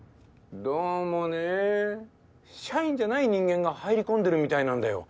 どうもねぇ社員じゃない人間が入り込んでるみたいなんだよ。